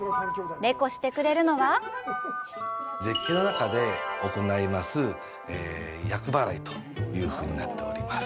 レコしてくれるのは絶景の中で行います厄払いというふうになっております。